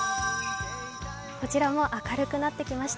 こちらも明るくなってきました。